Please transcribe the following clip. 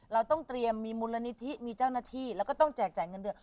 เราต้องเตรียมมีมูลนิธิมีเจ้าหน้าที่แล้วก็ต้องแจกจ่ายเงินด้วย